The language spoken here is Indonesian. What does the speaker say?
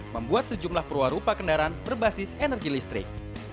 membuat sejumlah perwarupa kendaraan berbasis energi listrik